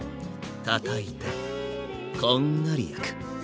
たたいてこんがり焼く。